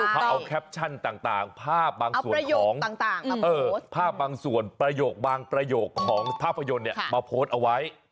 เขาเอาแคปชั่นต่างภาพบางส่วนของภาพบางส่วนประโยคบางประโยคของภาพยนตร์มาโพสต์เอาไว้